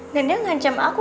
dan dia ngancam aku